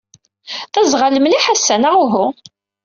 D aẓɣal mliḥ ass-a, neɣ uhu?